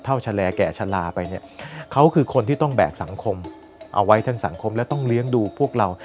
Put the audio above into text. ชะแลแก่ชะลาไปเนี่ยเขาคือคนที่ต้องแบกสังคมเอาไว้ทั้งสังคมและต้องเลี้ยงดูพวกเรา